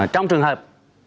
trong trường hợp